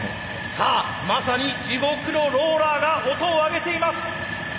さあまさに地獄のローラーが音を上げています！